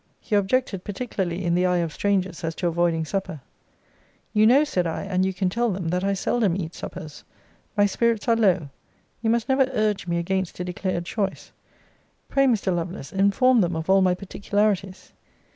He objected particularly in the eye of strangers as to avoiding supper. You know, said I, and you can tell them, that I seldom eat suppers. My spirits are low. You must never urge me against a declared choice. Pray, Mr. Lovelace, inform them of all my particularities.